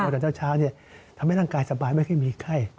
แต่เช้าทำให้ร่างกายสบายไม่ค่อยมีไข้